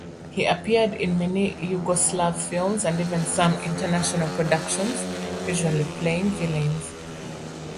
He appeared in many Yugoslav films, and even some international productions, usually playing villains.